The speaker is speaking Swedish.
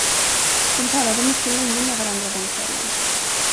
De talade mycket länge med varandra den kvällen.